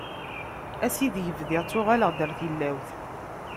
Ass i deg bdiɣ ttuɣaleɣ-d ɣer tilawt.